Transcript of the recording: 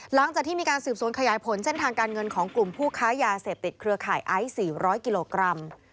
หลังจากที่มีการสืบสวนขยายผลเส้นทางการเงินของกลุ่มผู้ค้ายาเสพติดเครือข่ายไอซ์๔๐๐กิโลกรัม